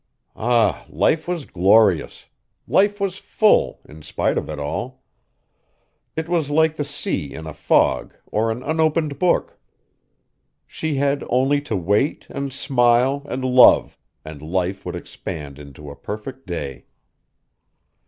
Ah, life was glorious! Life was full, in spite of all. It was like the sea in a fog or an unopened book. She had only to wait and smile and love, and life would expand into a perfect day.